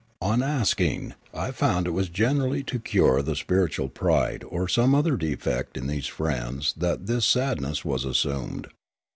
On asking, I found it was generally to cure the spiritual pride or some other defect in these friends that this sadness was assumed.